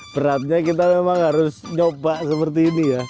beratnya kita memang harus nyoba seperti ini ya